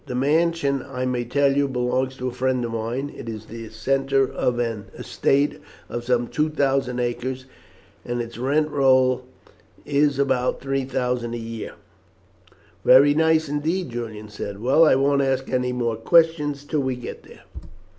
This mansion, I may tell you, belongs to a friend of mine. It is the centre of an estate of some 2,000 acres, and its rent roll is about £3,000 a year." "Very nice indeed!" Julian said. "Well, I won't ask any more questions till we get there."